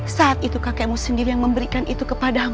saat itu kakekmu sendiri yang memberikan itu kepadamu